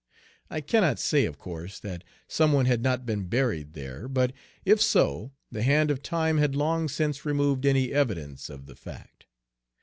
I cannot say, of course, that some one had not been buried there; but if so, the hand of time had long since removed any evidence of the fact.